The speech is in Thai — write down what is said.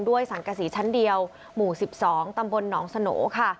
สังกษีชั้นเดียวหมู่๑๒ตำบลหนองสโหน่ค่ะ